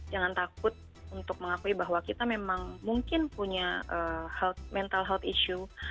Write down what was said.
jangan takut untuk mengakui bahwa kita memang mungkin punya mental health issue